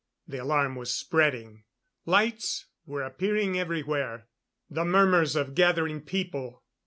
The alarm was spreading. Lights were appearing everywhere.... The murmurs of gathering people